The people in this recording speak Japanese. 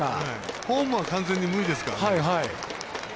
ホームは完全に無理ですから。